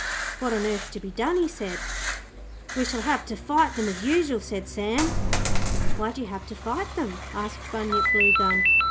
'What on earth's to be done?' he said. 'We shall have to fight them, as usual,' said Sam. 'Why do you have to fight them?' asked Bunyip Bluegum.